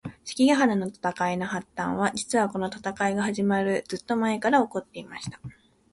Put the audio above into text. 関ヶ原の戦いの発端は、実はこの戦いが始まるずっと前から起こっていました。